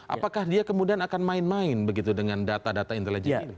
apakah dia kemudian akan main main begitu dengan data data intelijen ini